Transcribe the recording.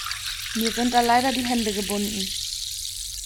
Mir sind da leider die Hände gebunden.